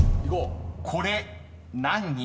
［これ何人？］